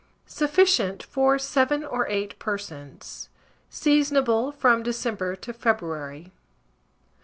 Sufficient for 7 or 8 persons. Seasonable from December to February.